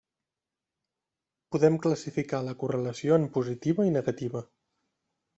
Podem classificar la correlació en positiva i negativa.